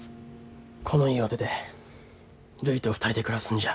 この家を出てるいと２人で暮らすんじゃ。